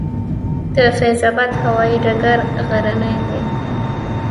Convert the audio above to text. د فیض اباد هوايي ډګر غرنی دی